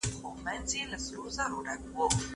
دا خبر په انټرنیټ کې په چټکۍ خپور شو.